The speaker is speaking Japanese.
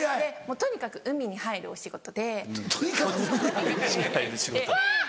とにかく海に入る仕事ハァ！